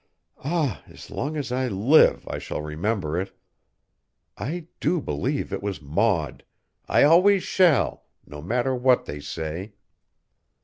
Ah! as long as I live I shall remember it. I do believe it was Maud. I always shall, no matter what they say."